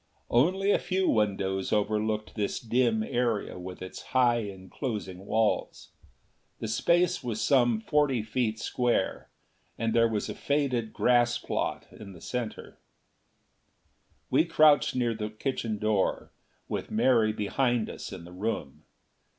Only a few windows overlooked this dim area with its high enclosing walls. The space was some forty feet square, and there was a faded grass plot in the center. We crouched near the kitchen door, with Mary behind us in the room.